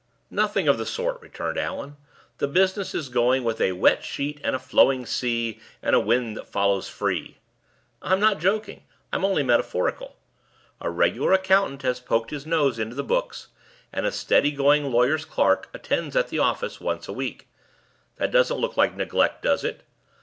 "Nothing of the sort!" returned Allan. "The business is going with 'a wet sheet and a flowing sea, and a wind that follows free.' I'm not joking; I'm only metaphorical. A regular accountant has poked his nose into the books, and a steady going lawyer's clerk attends at the office once a week. That doesn't look like neglect, does it?